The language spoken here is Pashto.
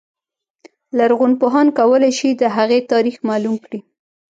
لرغونپوهان کولای شي د هغې تاریخ معلوم کړي.